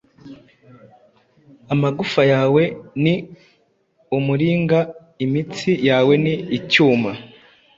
amagufwa yawe ni umuringa, imitsi yawe ni icyuma.